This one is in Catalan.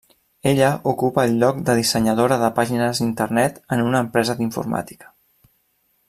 Ella ocupa el lloc de dissenyadora de pàgines internet en una empresa d'informàtica.